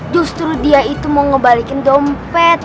justru dia itu mau ngebalikin dompet